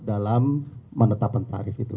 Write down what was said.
dalam menetapan tarif itu